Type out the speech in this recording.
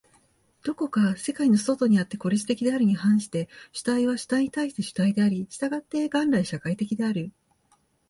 どこか世界の外にあって孤立的であるに反して、主体は主体に対して主体であり、従って元来社会的である。